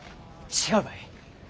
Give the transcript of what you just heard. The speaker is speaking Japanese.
違うばい。